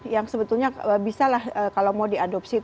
yang sebetulnya bisa lah kalau mau diadopsi